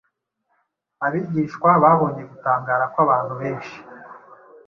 Abigishwa babonye gutangara kw’abantu benshi,